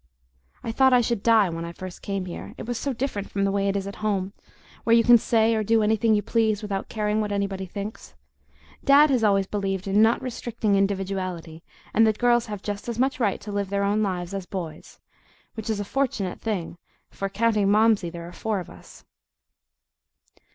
I thought I should die when I first came here; it was so different from the way it is at home, where you can say or do anything you please without caring what anybody thinks. Dad has always believed in not restricting individuality, and that girls have just as much right to live their own lives as boys which is a fortunate thing, for, counting Momsey, there are four of us.